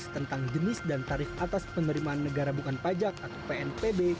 tentang jenis dan tarif atas penerimaan negara bukan pajak atau pnpb